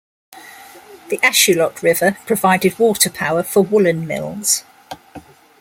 The Ashuelot River provided water power for woolen mills.